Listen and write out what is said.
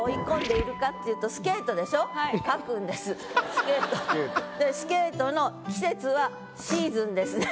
「スケート」でスケートの季節は「シーズン」ですね。